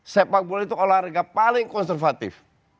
sepak bola itu olahraga paling konservatif